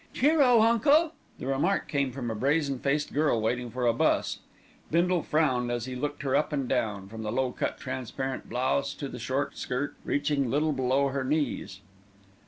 "Cheer o, uncle!" The remark came from a brazen faced girl waiting for a bus. Bindle frowned as he looked her up and down, from the low cut transparent blouse to the short skirt, reaching little below her knees.